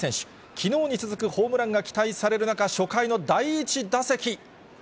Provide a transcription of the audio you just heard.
きのうに続くホームランが期待される中、初回の第１打席。